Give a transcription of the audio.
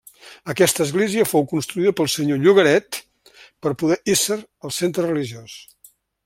Aquesta església fou construïda pel senyor Llogaret per poder ésser el centre religiós.